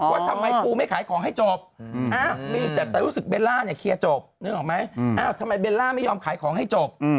ว่าทำไมปูไม่ขายของให้จบมีแต่รู้สึกเบลล่าเนี่ยเคลียร์จบนึกออกไหมทำไมเบลล่าไม่ยอมขายของให้จบ